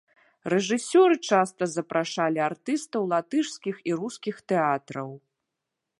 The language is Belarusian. Рэжысёры часта запрашалі артыстаў латышскіх і рускіх тэатраў.